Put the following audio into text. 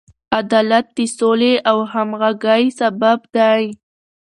عدالت د سولې او همغږۍ سبب دی.